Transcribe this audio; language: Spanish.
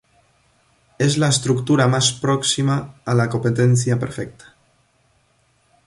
Es la estructura más próxima a la competencia perfecta.